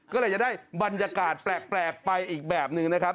ก็เลยจะได้บรรยากาศแปลกไปอีกแบบหนึ่งนะครับ